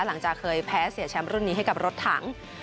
หลังจากเคยแพ้เสียแชมป์รุ่นนี้ให้กับรถถัง